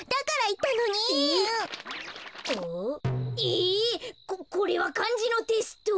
えここれはかんじのテスト？